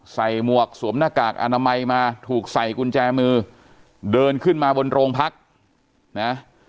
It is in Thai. หมวกสวมหน้ากากอนามัยมาถูกใส่กุญแจมือเดินขึ้นมาบนโรงพักนะ